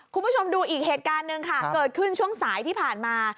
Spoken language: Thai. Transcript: คุณผู้ชมดูอีกเหตุการณ์หนึ่งค่ะเกิดขึ้นช่วงสายที่ผ่านมา